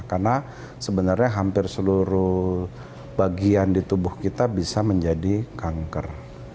karena sebenarnya hampir seluruh bagian di tubuh kita bisa menjadi kanker